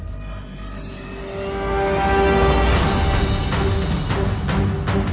จริง